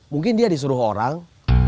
mungkin dia disuruh orang